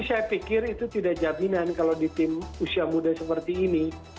saya pikir itu tidak jaminan kalau di tim usia muda seperti ini